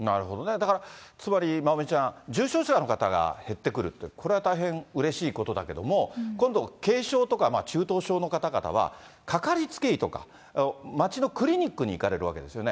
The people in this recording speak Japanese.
だからつまり、まおみちゃん、重症者の方が減ってくると、これは大変うれしいことだけれども、今度、軽症とか中等症の方々は掛かりつけ医とか、町のクリニックに行かれるわけですよね。